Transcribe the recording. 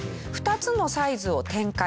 ２つのサイズを展開。